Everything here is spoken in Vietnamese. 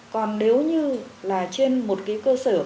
còn nếu như là trên một cái cơ sở